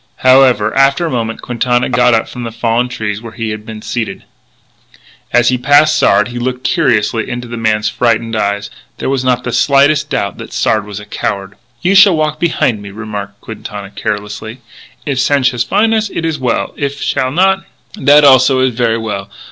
However, after a moment, Quintana got up from the fallen tree where he had been seated. As he passed Sard he looked curiously into the man's frightened eyes. There was not the slightest doubt that Sard was a coward. "You shall walk behin' me," remarked Quintana carelessly. "If Sanchez fin' us, it is well; if he shall not, that also is ver' well....